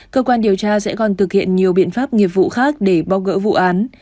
cơ quan điều tra sẽ còn thực hiện nhiều biện pháp nghiệp vụ khác để bóc gỡ vụ án